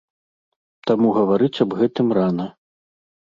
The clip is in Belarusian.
Таму гаварыць аб гэтым рана.